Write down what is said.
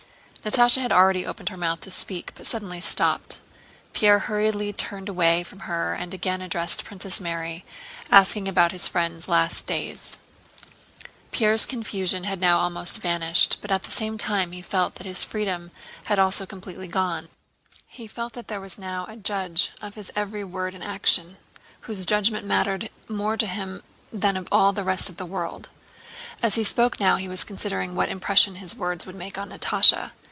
Natásha had already opened her mouth to speak but suddenly stopped. Pierre hurriedly turned away from her and again addressed Princess Mary, asking about his friend's last days. Pierre's confusion had now almost vanished, but at the same time he felt that his freedom had also completely gone. He felt that there was now a judge of his every word and action whose judgment mattered more to him than that of all the rest of the world. As he spoke now he was considering what impression his words would make on Natásha.